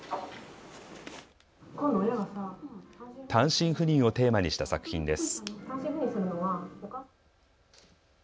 単身赴任をテーマにした作品です。